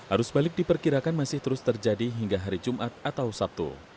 arus balik diperkirakan masih terus terjadi hingga hari jumat atau sabtu